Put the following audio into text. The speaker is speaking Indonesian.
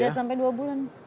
tidak sampai dua bulan